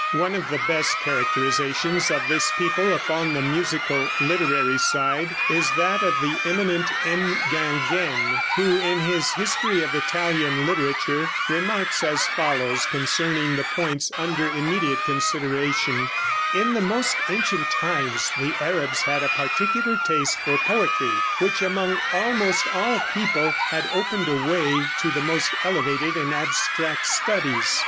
One of the best characterizations of this people upon the musical literary side is that of the eminent M. Ginguène, who in his "History of Italian Literature," remarks as follows, concerning the points under immediate consideration: "In the most ancient times the Arabs had a particular taste for poetry, which among almost all people had opened a way to the most elevated and abstract studies.